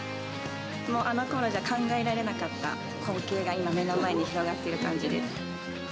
もうあのころじゃ考えられなかった光景が今、目の前に広がっている感じです。